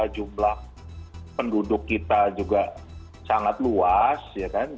jumlah penduduk kita juga sangat luas